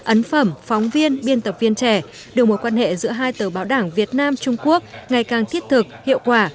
ấn phẩm phóng viên biên tập viên trẻ đưa mối quan hệ giữa hai tờ báo đảng việt nam trung quốc ngày càng thiết thực hiệu quả